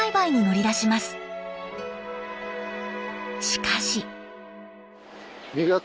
しかし。